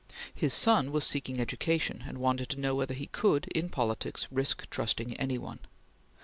His son was seeking education, and wanted to know whether he could, in politics, risk trusting any one.